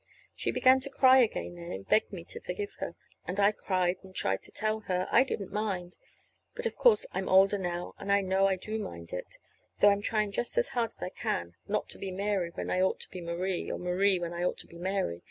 She began to cry again then, and begged me to forgive her, and I cried and tried to tell her I didn't mind it; but, of course, I'm older now, and I know I do mind it, though I'm trying just as hard as I can not to be Mary when I ought to be Marie, or Marie when I ought to be Mary.